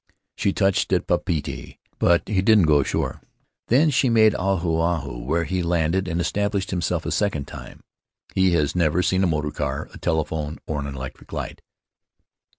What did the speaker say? She touched at Papeete, but he didn't go ashore. Then she made Ahu Ahu, where he landed and established himself a second time. He has never seen a motor car, a telephone, or an electric light."